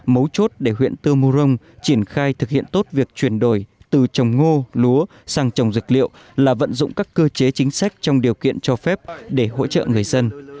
mấu chốt để huyện tơ mu rông triển khai thực hiện tốt việc chuyển đổi từ trồng ngô lúa sang trồng dược liệu là vận dụng các cơ chế chính sách trong điều kiện cho phép để hỗ trợ người dân